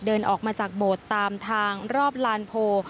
เดินออกมาจากโบสถ์ตามทางรอบลานโพ